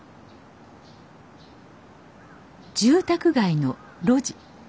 住宅街の路地。